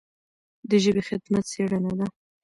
د ژبې خدمت څېړنه ده.